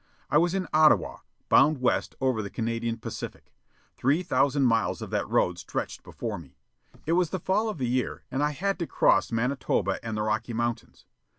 I was in Ottawa, bound west over the Canadian Pacific. Three thousand miles of that road stretched before me; it was the fall of the year, and I had to cross Manitoba and the Rocky Mountains.